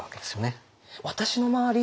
私の周り